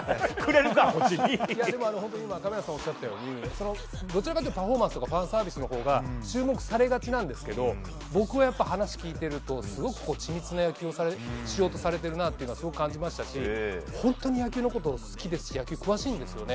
亀梨さんがおっしゃったようにどちらかというとパフォーマンスとかファンサービスのほうが注目されがちですけど僕は話を聞いているとすごく緻密な野球をしようとしているとすごく感じましたし本当に野球のこと好きですし詳しいんですよね。